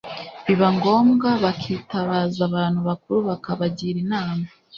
biba ngombwa bakitabaza abantu bakuru bakabagira inama.